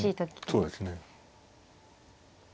そうですね。